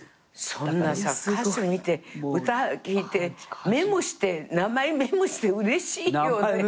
そんなさ歌手見て歌聴いてメモして名前メモしてうれしいよね。